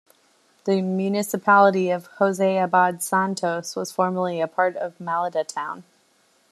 The Municipality of Jose Abad Santos was formerly a part of Malita town.